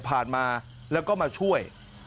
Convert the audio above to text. ผ่านมาแล้วก็มาช่วย